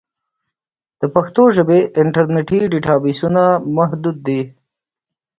د پښتو ژبې انټرنیټي ډیټابېسونه محدود دي.